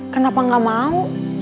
kenapa gak mau